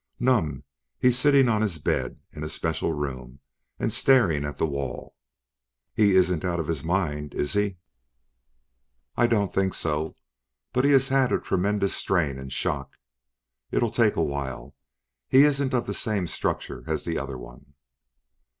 "Numb. He's sitting on his bed, in a special room, and staring at the wall." "He isn't out of his mind, is he?" "I don't think so, but he has had a tremendous strain and shock. It'll take awhile. He isn't of the same structure as the other one."